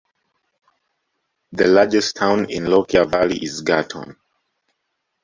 The largest town in the Lockyer Valley is Gatton.